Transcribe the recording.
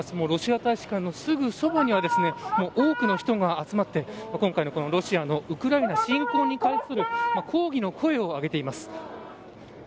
ロシア大使館のすぐそばには多くの人が集まって今回のロシアのウクライナ侵攻に関する抗議の声をあげています。